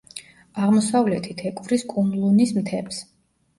აღმოსავლეთით ეკვრის კუნლუნის მთებს.